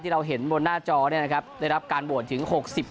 เราเห็นบนหน้าจอได้รับการโหวตถึง๖๐